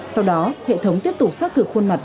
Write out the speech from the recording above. sau đó hệ thống tiếp tục xác thực khuôn mặt